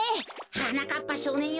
はなかっぱしょうねんよ